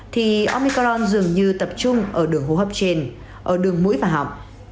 thì omicron dường như tập trung ở đường hô hấp trên ở đường mũi và họng